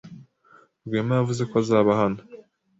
Rwema yavuze ko azaba hano.